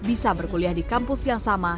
bisa berkuliah di kampus yang sama